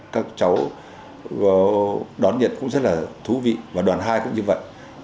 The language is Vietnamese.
các cháu đón nhận cũng rất là thú vị và đoàn hai cũng như vậy